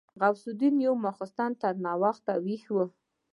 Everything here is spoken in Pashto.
غوث الدين يو ماخستن تر ناوخته ويښ و.